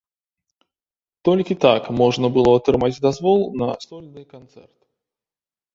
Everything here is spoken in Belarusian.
Толькі так можна было атрымаць дазвол на сольны канцэрт.